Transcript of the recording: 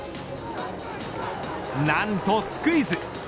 なんとスクイズ。